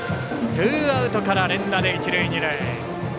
ツーアウトから連打で一塁、二塁。